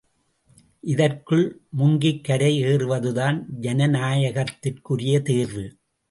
இதற்குள் முங்கிக் கரையேறுவதுதான் ஜனநாயகத்திற்குரிய தேர்வு!